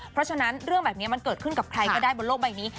เพราะฉะนั้นเรื่องแบบนี้มันเกิดขึ้นกับใครก็ได้บนโลกใบนี้